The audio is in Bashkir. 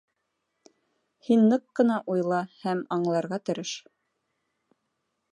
Һин ныҡ ҡына уйла һәм аңларға тырыш.